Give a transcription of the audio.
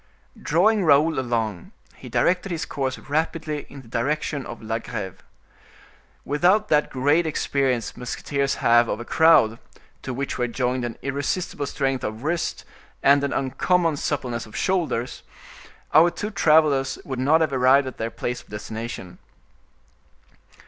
Drawing Raoul along, he directed his course rapidly in the direction of La Greve. Without that great experience musketeers have of a crowd, to which were joined an irresistible strength of wrist, and an uncommon suppleness of shoulders, our two travelers would not have arrived at their place of destination.